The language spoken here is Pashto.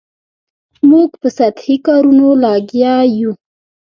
موږ په سطحي کارونو لګیا یو.